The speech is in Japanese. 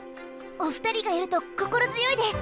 お二人がいると心強いです！